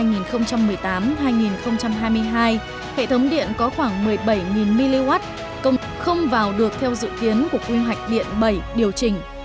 hệ thống điện có khoảng một mươi bảy mw không vào được theo dự kiến của cung hạch điện bảy điều chỉnh